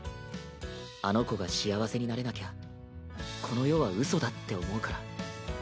あの子が幸せになれなきゃこの世はうそだって思うから。